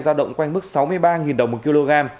giao động quanh mức sáu mươi ba đồng một kg